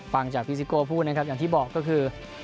ฟังจากพี่ซิโก้พูดนะครับอย่างที่บอกก็คือ